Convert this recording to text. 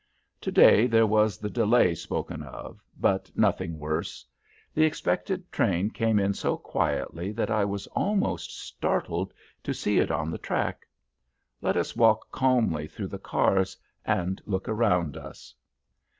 To day there was the delay spoken of, but nothing worse. The expected train came in so quietly that I was almost startled to see it on the track. Let us walk calmly through the cars, and look around us.